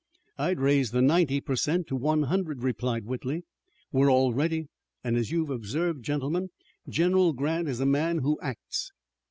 "I'd raise the ninety per cent to one hundred," replied Whitley. "We are all ready an' as you've observed, gentlemen, General Grant is a man who acts."